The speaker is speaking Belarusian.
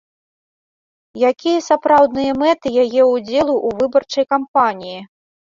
Якія сапраўдныя мэты яе ўдзелу ў выбарчай кампаніі?